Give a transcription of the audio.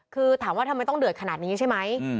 คือถามว่าทำไมต้องเดือดขนาดนี้ใช่ไหม